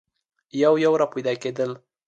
یو یو را پیدا کېدل.